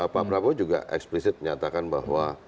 pak prabowo juga eksplisit menyatakan bahwa